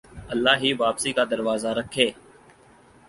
اللہ ہی واپسی کا دروازہ رکھے